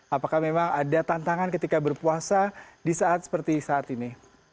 apakah memang ada tantangan ketika berpuasa di saat seperti saat ini